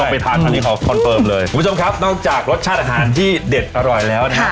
ไปทานอันนี้ขอคอนเฟิร์มเลยคุณผู้ชมครับนอกจากรสชาติอาหารที่เด็ดอร่อยแล้วนะฮะ